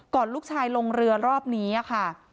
ลูกชายลงเรือรอบนี้ค่ะ